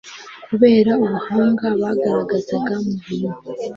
kubera ubuhanga bagaragaza mu bintu